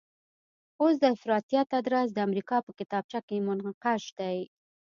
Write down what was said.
اوس د افراطیت ادرس د امریکا په کتابچه کې منقش دی.